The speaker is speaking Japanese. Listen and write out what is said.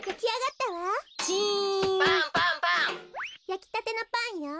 やきたてのパンよ。